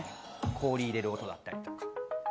氷入れる音だったりとか。